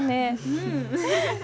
うん。